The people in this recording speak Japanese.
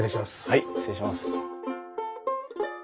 はい失礼します。